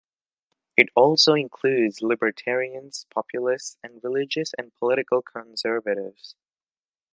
It also includes libertarians, populists, and religious and political conservatives.